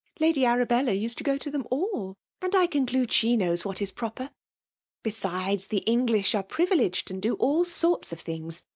Lady Arabella lised to go to thesa all,; »iid I conehide sho kaowB \|^hat is proper. Besides^ the English am prit* vileged, and. do all sorts of things.